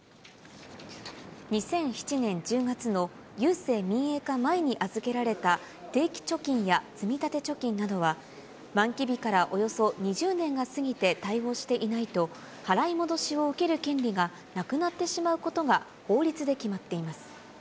２００７年１０月の郵政民営化前に預けられた定期貯金や積立貯金などは、満期日からおよそ２０年が過ぎて対応していないと、払い戻しを受ける権利がなくなってしまうことが法律で決まっています。